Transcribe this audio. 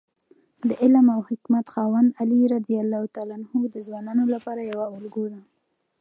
د علم او حکمت خاوند علي رض د ځوانانو لپاره یوه الګو ده.